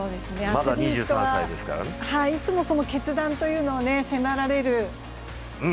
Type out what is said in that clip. アスリートはいつもその決断というのを迫られる。